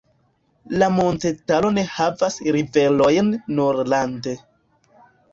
La montetaro ne havas riverojn, nur rande.